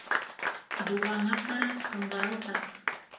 Дуғаңа ҡарап ҡыңғырау таҡ.